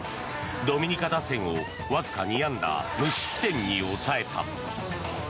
ドミニカ打線をわずか２安打無失点に抑えた。